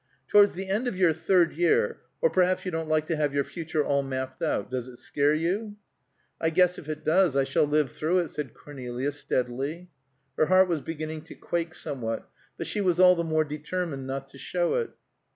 "Towards the end of your third year or perhaps you don't like to have your future all mapped out. Does it scare you?" "I guess if it does I shall live through it," said Cornelia steadily; her heart was beginning to quake somewhat, but she was all the more determined not to show it.